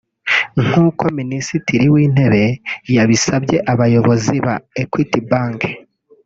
nk’uko Ministiri w’intebe yabisabye abayobozi ba Equity Bank